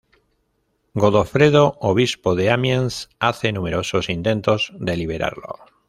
Godofredo, Obispo de Amiens, hace numerosos intentos de liberarlo.